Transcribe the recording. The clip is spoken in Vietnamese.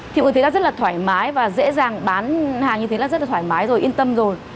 thì mọi người thấy rất là thoải mái và dễ dàng bán hàng như thế là rất là thoải mái rồi yên tâm rồi